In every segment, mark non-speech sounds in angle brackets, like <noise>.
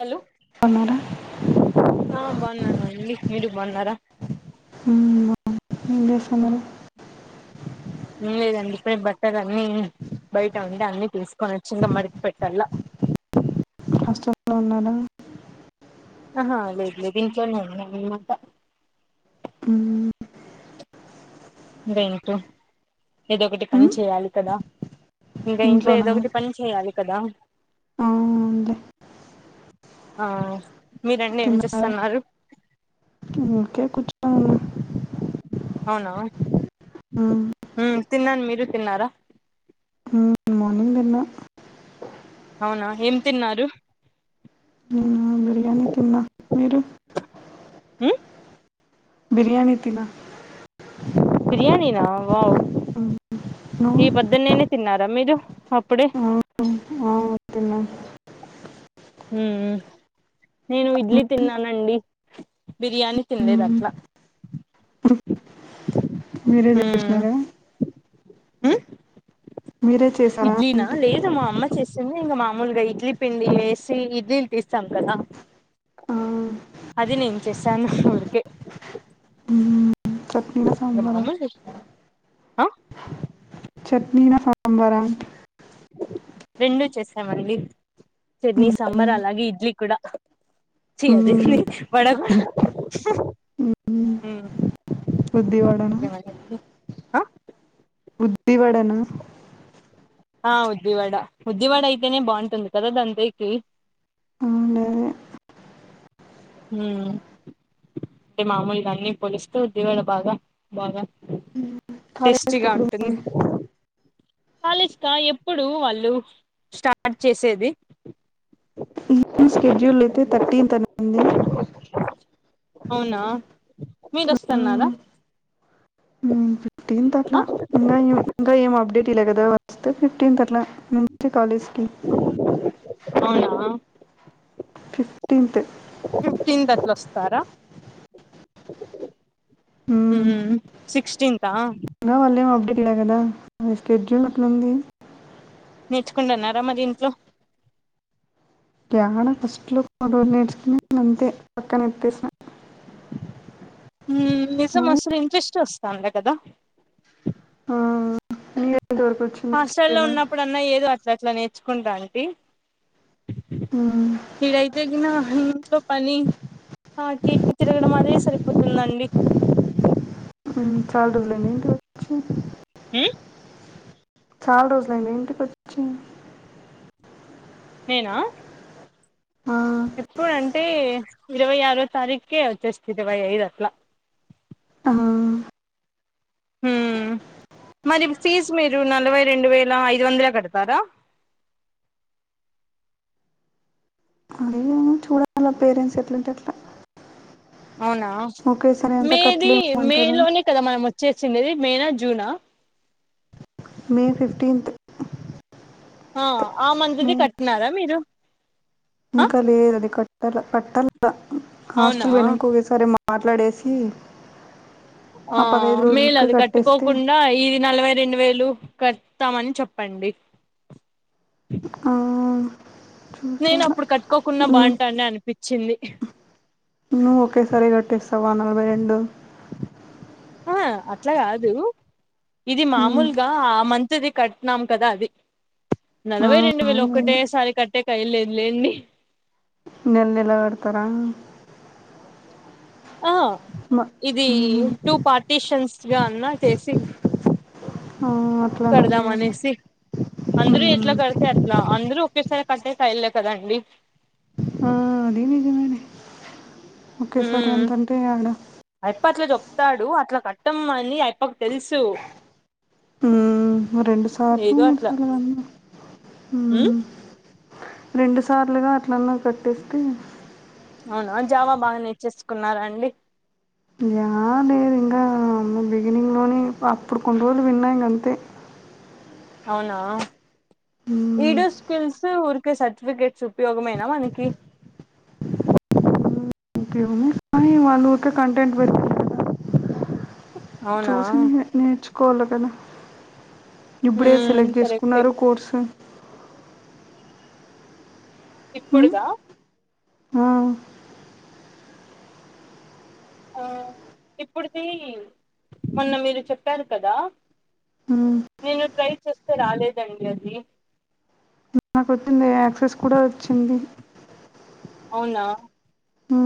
Hello బాన్నార ఆ బావున్న అండి మీరు బాన్నార హ్మ్ ఏం చేస్తున్నారు ఏం లేదండి ఇప్పుడే బట్టలు అన్ని బయట ఉండి అన్ని తీసుకొని వచ్చి ఇంగ మడత పెట్టాల హాస్టల్లో ఉన్నాడ ఆహా లేదు లేదు దింట్లోనే ఉద్మాట మ్మ్. ఇగ ఇంట్లో ఏదో ఒకటి పని మ్మ్? చేయాలి కదా ఇంకా ఇంట్లో ఇంట్లోనా ఏదో ఒకటి పని చేయాలి కదా ఆ అంతే ఆ మీరండి ఏం చేస్తున్నారు ఊర్కే కూర్చున్నండి అవునా మ్మ్. మ్ తిన్నాను మీరు తిన్నారా మ్మ్. మార్నింగ్ తిన్నా అవునా ఏం తిన్నారు నేనా బి మ్ తిన్న మీరు ఉమ్ బిర్యానీ తిన్న బిర్యానీనా వావ్ మ్మ్. నువ్వు ఈ పద్దునేనే తిన్నారా మీరు అప్పుడే ఆ, ఆ, తిన్నా హ్మ్ నేను ఇడ్లీ మీరు తిన్నానండి బిర్యానీ తిన్లేదు అట్లా ప్ర హూ హు మీరే చేశారా ఇడ్లీనా అంటే లేదు మా అమ్మ చేస్ సింది ఇంకా మామూలుగా ఇడ్లీ పిండి వేసి ఇడ్లీలు తీస్తాం కదా ఆ అది నేను చేసాను ఊరికే చట్నీ నా ఇంకా సాంబార మామూలు ఆ చట్నీిన సాంబార రెండూ చేసామండి చట్నీ మ్మ్. సాంబార్ అలాగే ఇడ్లీ కూడా చి మ్మ్. అదేంది వడ కూడా హు ఉద్ధివాడనా ఉద్ధివాడనా ఆ ఉద్దివాడ ఉద్దివాడ అయితేనే బాంటుంది కదా దాంతోకి అవునదే ఊ అంటే మామూలుగా అన్ని పోలుస్తూ దివాడ బాగా బాగా కాలేజ్కి టేస్టీగా ఎప్పుడు ఉంటుంది మరి కాలేజ్ క ఎప్పుడు వాళ్ళు స్టార్ట్ చేసేది స్కెడ్యూల్లయితే థర్టీన్త్ అని అండి అవునా మీరోస్తన్నారా హ్మ్ ఫిఫ్టీన్ తట్లా ఇంకా ఏమి ఇంకా ఏం అప్డేట్ ఇలే కదా వస్తే ఫిఫ్టీన్త్ అట్లా నుంచి కాలేజ్ కి అవునా ఫిఫ్టీన్త్ ఫిఫ్టీన్త అట్లోస్తారా హూ సిక్స్టీీన్తా ఆ ఇంగ వాళ్లేం అప్డేట్ ఇయలే కదా స్కెడ్యూల్ అట్లాంది నేర్చుకుంటున్నారా మరి ఇంట్లో యాడ ఫస్ట్ లో ఒకరోజు నేర్చుకున్నానంతే పక్కనేట్టేసిన హూ నిజం నువ్వు అసలు ఇంట్రెస్ట్ వస్తాలే కదా <unintelligible> దొరకచ్ హాస్టల్ల్లో ఉన్నప్పుడన్నా ఏదు అట్లా అట్లా నేర్చుకుంటామ్టి ఈడైతే గిన ఇంట్లో పని <unintelligible> తిరగడం అదే సరిపోతుందండి హూ చాల్ రోజులైన్దెంటి వచ్చి చాల్ రోజ్ లైంద ఇంటికొ నేనా ఆ, ఎప్పుడంటే ఇరవై ఆరో తారీఖే వచ్చేస్తు ఇరవై ఐదు అట్లా ఆహా ఉ మరి ఫీజ్ మీరు నలభై రెండు వేల ఐదు వందలే కడతారా హు చూడాలా పేరెంట్స్ ఎట్లాంటే అట్లా అవునా ఒకేసారి అంతా మేది మే కట్టలేమంటారు లోనే కదా మనం వచ్చేసిండది మేనా జూనా మే ఫిఫ్టీన్త్ ఆ ఆ మంత్ మే ది కట్నారా మీరు ఆ ఇంకా లేదది కట్టల కట్టల అవునా హాస్టల్ వెనకోగసరే మాట్లాడేసి ఆ పదహైదు రోజులకి మేలది కట్టేస్తే కట్టుకోకుండా ఇది నలభై రెండు వేలు లు కడతామని చెప్పండి. ఆ నేను చూసాను అప్పుడు కట్టుకోకున్నా ను- బాగుంటాండ అనిపిచ్చింది. నువ్వు ఒకేసారి కట్టేస్తావా నలభై రెండు ఆ అట్లా కాదు ఇది ఉమ్, మామూలుగా ఆ మన్ తది కట్నాం కదా అది. ఆ, నలభై రెండు వేలు అవునవును ఒకటే సారి కట్ టేకి అయ్యేల్లేదు లేండి. నెల్ నెల కడతార ఆ మ- ఇది ఉమ్, టూ పార్టీషన్స్ గా అన్నా చేసి ఆ అట్లానే చేయాలి కడదామనేసి, అందరూ ఎట్ల ఉమ్, కడతే అట్ ఇట్లా అందరు ఒకేసారి కట్టేకి అయ్యెళ్ళ కదండీ ఆ అది నిజమేలే ఒకేసారి మ్మ్ అంత అంటే యాడ అయప్ప అట్ల చెప్తాడు. అట్ల కట్టం అని అయప్పకు తెలుసు. మ్మ్ రెండు సార్లో ఏదో మూడు అట్లా సార్లో కట్టిన మ్మ్ మ్ రెండు సార్లుగా అట్లన్నా కట్టేస్తే అవునా జావా బాగా నేర్చేసుకున్నారా అండి యాడ లేదు ఇంగా బిగినింగ్ లోనే, అప్పుడు కొన్ని రోజులు విన్నా ఇంగ అంతే అవునా ఈడ మ్మ్, స్కిల్స్ వుర్ కే సర్టిఫికేట్స్ ఉపయోగమేనా మనకి ఇంకేమున్నాయి కానీ వాళ్ళు ఊరికే కంటెంట్ పెట్టరు కదా అవునా చూసిందే నేర్చుకోవాల కదా, ఇప్పుడే మ్మ్ సెలెక్ట్ కరెక్టే చేసుకున్నారు కోర్సు. మ్మ్, ఇప్పుడుదా ఆ ఆ ఇప్పుడుది, మొన్న మీరు చెప్పారు కదా! మ్మ్. నేను ట్రై చేస్తే రాలేదండి అది. నాకు వచ్చింది యాక్సెస్ కూడా వచ్చింది. అవునా ఆ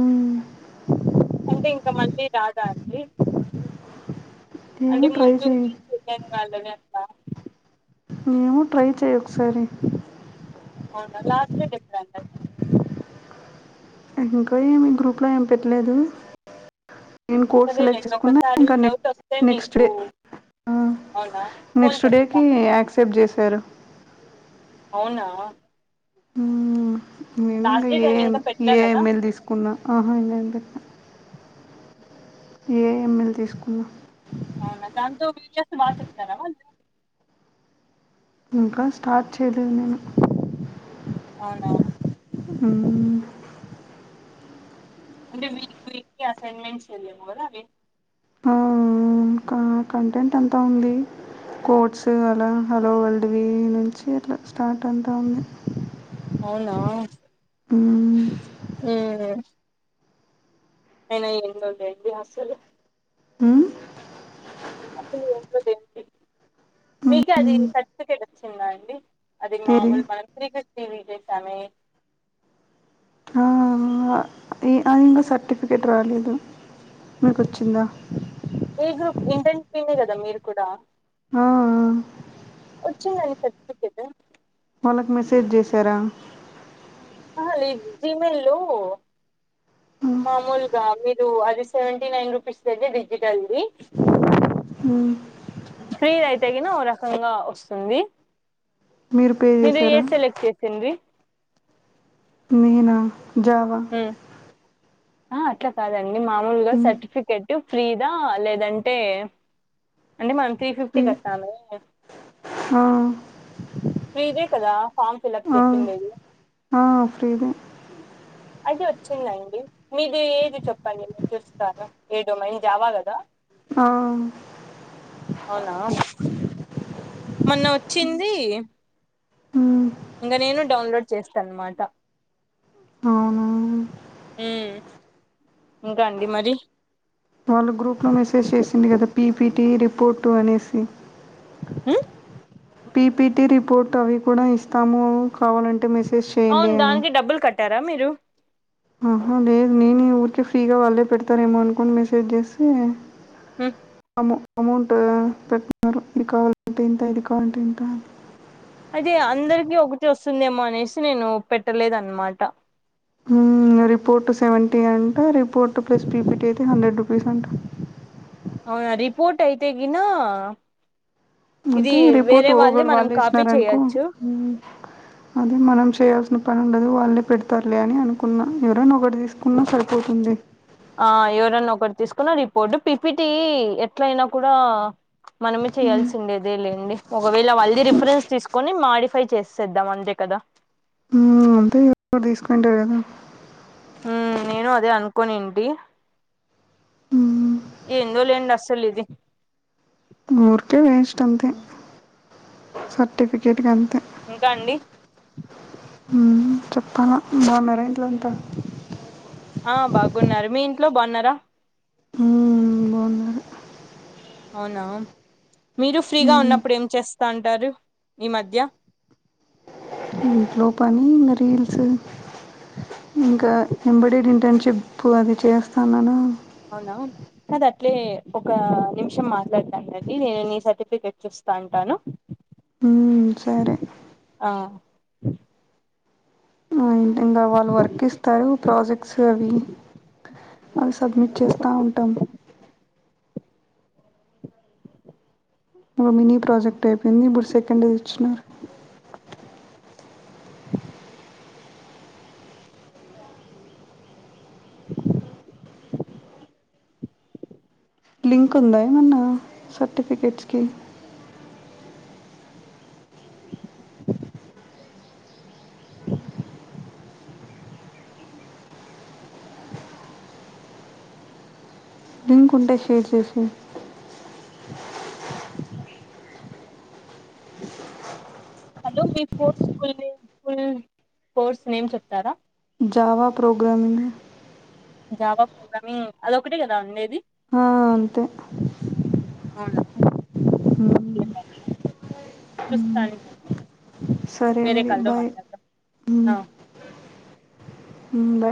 అంటే ఇంక మళ్ళీ రాద అండి? ఏమో అంటే ట్రై ముందు చేయి మీకుందని వాళ్ళని అట్లా ఏమో ట్రై చెయ్ ఒకసారి. అవునా లాస్ట్ డేట్ ఎప్పుడంట అది ఇంకా ఏమి గ్రూప్లో ఏమ్ పెట్లేదు. నేను కోర్స్ సెలెక్ట్ చదివలేండి చేసుకున్నా ఒకసారి ఇంకా నెక్ డౌట్ వస్తే నెక్స్ట్ మీకు డే. ఆ అవునా ఫోన్ నెక్స్ట్ చేస్తా డేకి యాక్సెప్ట్ చేశారు. అవునా మేము ఇంగా లాస్ట్ డేట్ అని ఏం ఇంకా పెట్టలే కదా ఏఐఎమ్ఎల్ తీసుకున్నా ఆహా లేదు. ఎఐఎంఎల్ తీసుకున్న. అవునా దాంతో వీరియస్ బాగ చెప్తారా వాళ్ళు ఇంకా స్టార్ట్ చేయలేదు నేను అవునా మ్మ్ అంటే వీక్ వీక్ కి అసైన్మెంట్స్ ఇయల్లేమో కదా అవి ఆ ఇంకా కంటెంట్ అంతా ఉంది. కోడ్స్ అలా హలో వల్డ్ వి నుంచి అట్లా స్టార్ట్ అంటా ఉంది అవునా హుమ్ హుమ్ అయిన ఎందుంటేవి అసలు ఉమ్ <inaudible> మీకే అది మ్మ్. సర్టిఫికేట్ వచ్చిందా అండి అది ఏది మామూల్ మంత్రి వి రివెల్ జేసమే ఆహ్ అ ఇంకా సర్టిఫికెట్ రాలేదు మీకోచ్చిందా ఏ గ్రూప్ ఇంటన్ టీమే కదా మీరు కూడా ఆహ్ అహ్ వచ్చిందండి సర్టిఫికేట్ వాళ్ళకు మెసేజ్ చేసారా ఆహా లేదు జిమెయిల్లో మామూలుగా మీరు అది సెవెంటీ నైన్ రూపీస్ అయితే డిజిటల్ది ఫ్రీ అయితే కిన ఒకఓ రకంగా వస్తుంది పే మీరు ఏ చేశారా సెలెక్ట్ చేసింది నేనా జవా ఆహ్ అట్లా కాదండి మామూలుగా సర్టిఫికెట్ ఫ్రీదా లేదంటే అంటే మనం త్రీ ఫిఫ్టీ కట్టాలె హఆహ్ ఫ్రీదే కదా ఫామ్ ఫిల్ప్ ఆ చేసిన్ లేదు ఆ ఫ్రీదే ఐతే వచ్చిందండి మీది ఏది చెప్పండి నేను చూస్తాను ఏ డొమైన్ జావా కదా ఆహ్ అవునా మొన్న వచ్చింది ఉమ్, ఇంకా నేను డౌన్లోడ్ చేస్తాను అనమాట ఆహ్ ఉమ్ ఇంకా అండి మరి మొన్న గ్రూప్లోలో మెసేజ్ చేసింది కదా పీపీటి రిపోర్టు అనేసి ఉమ్ పీపీటి రిపోర్ట్ అవి కూడా ఇస్తాము కావాలంటే మెసేజ్ అవును చేయండి అని దానికి డబ్బులు కట్టారా మీరు ఆహా లేదు నేను ఊరికే ఫ్రీగా వాళ్ళే పెడతారేమో అనుకుని మెసేజ్ చేస్తే హమ్ అమ్మో అమౌంట్ పెట్టిన్నారు ఇది కావాలంటే ఇంత ఇది కావాలంటే ఇంత అదతే అందరికిీ ఒకటి వస్తుందేమో అనేసి నేను పెట్టలేదు అనమాట రిపోర్టు సెవెంటీ అంట రిపోర్ట్ ప్లస్ పీపీటీ అయితే హండ్రెడ్ రూపీస్ అంట అవునా రిపోర్ట్ అయితే గిన ఇది అంటే రిపోర్ట్ వేరే వాళ్ళే గూగుల్ మనం వాళ్ళు కాపీ ఇచ్చినారనుకో చేయొచ్చు అదే మనం చేయాల్సిన పని ఉండదు వాళ్ళే పెడతారులే అని అనుకున్నా ఎవరైనా ఒకటి తీసుకున్నా సరిపోతుంది ఆ ఎవరన్నా ఒకటి తీసుకున్న రిపోర్ట్ పిపిటీ ఎట్లయినా కూడా మనమే చేయాల్సి ఉండేదే లేండి ఒకవేళ వళ్దిీ రిఫరెన్స్ తీసుకొని మాడిఫై చేసేద్దాం అంతే కదా ఉ అంతే గా తీసుకుంటరు కదా హ నేను అదే అనుకొనింటి ఉ ఏందో లేండి అస్సలు ఇది ఊరికే వేస్ట్ అంతే సర్టిఫికేట్కి అంతే ఇంక అండి ఉమ్ చెప్పాల బాన్నర ఇంట్లో అంత? ఆ బాగున్నారు, మీ ఇంట్లో బాన్నారా? ఉమ్ బాన్న అవునా, మీరు ఫ్రీగా మ్మ్ ఉన్నప్పుడు ఏం చేస్తాంటరు ఈ మధ్య? ఇంట్లో పని ఇంగ రీల్స్ ఇంకా ఎంబడేడ్ ఇంటర్న్షిప్ అది చేస్తానన అవునా అద అట్లే ఒక నిమిషం మాట్లాడతాడండి నేను నీ సర్టిఫికెట్ చూస్తా ఉంటాను. ఉమ్ సరే ఆ ఆ, ఇంకా వాళ్ళు వర్క్ ఇస్తారు ప్రాజెక్ట్స్ అవి అవి సబ్మిట్ చేస్తా ఉంటాం. ఒక మినీ ప్రాజెక్ట్ అయిపోయింది, ఇప్పుడు సెకండ్ ది ఇచ్చినారు. లింక్ ఉందా ఏమన్న సర్టిఫికెట్స్ కి? లింక్ ఉంటే షేర్ చెసే హలో మీ course full name full course name చెప్తారా జావ ప్రోగ్రామింగ్ జావా ప్రోగ్రామింగ్ అదొకటే కదా ఉండేది ఆ అంతే అవునా మ్మ్ ఏ మరి చూస్తాను సరే వేరే కల్లో మాట్లాడదాం ఆ ఉ బా